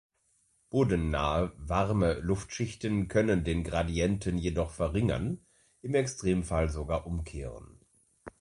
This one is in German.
Bodennahe warme Luftschichten können den Gradienten jedoch verringern, im Extremfall sogar umkehren.